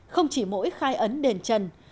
không chỉ mỗi khai ấn đền trần